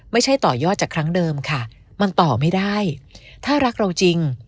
ต่อยอดจากครั้งเดิมค่ะมันต่อไม่ได้ถ้ารักเราจริง